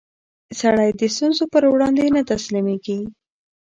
سړی د ستونزو پر وړاندې نه تسلیمېږي